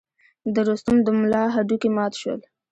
د رستم د ملا هډوکي مات شول.